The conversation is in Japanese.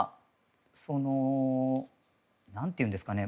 何ていうんですかね。